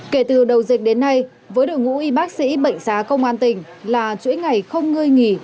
kể từ đầu dịch đến nay với đội ngũ y bác sĩ bệnh xá công an tỉnh là chuỗi ngày không ngơi nghỉ